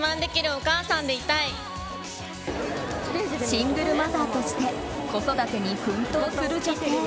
シングルマザーとして子育てに奮闘する女性。